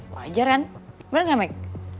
wajar kan bener gak meg